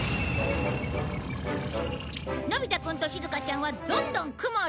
のび太くんとしずかちゃんはどんどん雲を作って！